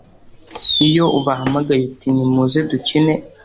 Iyo ubahamagaye uti nimuze dukine